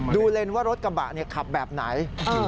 เลนว่ารถกระบะขับแบบไหน